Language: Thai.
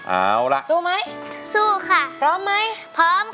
เอาล่ะสู้ไหมสู้ค่ะพร้อมไหมพร้อมค่ะ